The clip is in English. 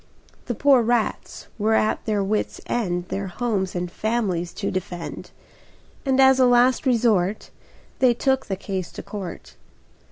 The poor rats were at their wits' end Their homes and families to defend; And as a last resort They took the case to court.